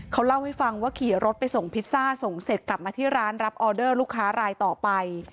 เขาเล่าให้ฟังว่าขี่รถไปส่งพิซซ่าส่งเสร็จกลับมาที่ร้านรับออเดอร์ลูกค้ารายต่อไป